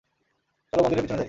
চলো মন্দিরের পিছনে যাই।